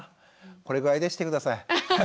これぐらいでして下さい。